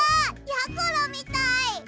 やころみたい。